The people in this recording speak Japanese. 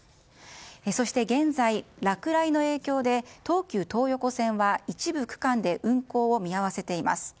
そして現在、落雷の影響で東急東横線は一部区間で運行を見合わせています。